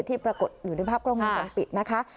ที่ปรากฏอยู่ในภาพกร่องมือกลางปิดนะคะ